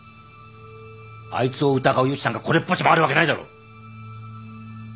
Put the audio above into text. あいつを疑う余地なんかこれっぽっちもあるわけないだろ！